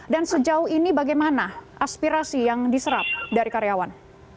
dan sejauh ini bagaimana aspirasi yang diserap dari karyawan